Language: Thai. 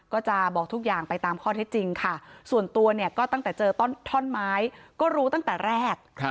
ก็จะบอกทุกอย่างไปตามข้อเท็จจริงค่ะส่วนตัวเนี่ยก็ตั้งแต่เจอท่อนไม้ก็รู้ตั้งแต่แรก